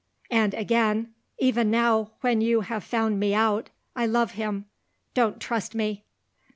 And, again: "Even now, when you have found me out, I love him. Don't trust me."